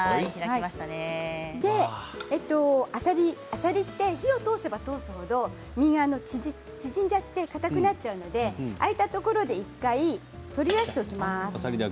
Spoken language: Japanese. あさりって火を通せば通すほど身が縮んじゃってかたくなっちゃうので開いたところで１回取り出しておきます。